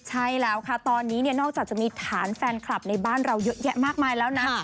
ใช่แล้วค่ะตอนนี้เนี่ยนอกจากจะมีฐานแฟนคลับในบ้านเราเยอะแยะมากมายแล้วนะ